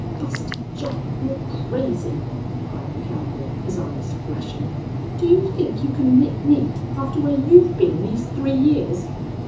"Buster Jack you're crazy!" cried the cowboy, his eyes flashing. "Do you think you can lick me after where you've been these three years?"